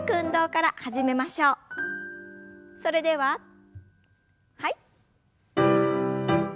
それでははい。